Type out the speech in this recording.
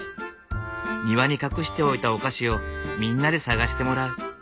庭に隠しておいたお菓子をみんなで探してもらう。